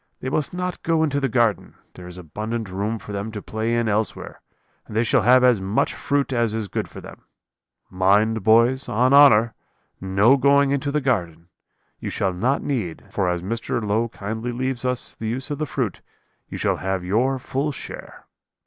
They must not go into the garden, there is abundant room for them to play in elsewhere, and they shall have as much fruit as is good for them. Mind, boys, on honour, no going into the garden. You shall not need, for as Mr. Low kindly leaves us the use of the fruit, you shall have your full share.'